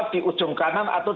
di ujung kanan atau